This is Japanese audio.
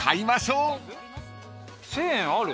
１，０００円ある？